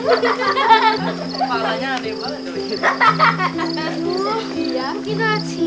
diki kayaknya tertinggal jauh deh